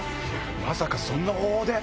まさかそんな方法で？